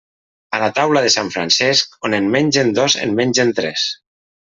A la taula de sant Francesc, on en mengen dos en mengen tres.